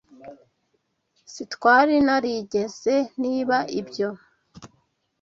Sitwari narigeze niba ibyo.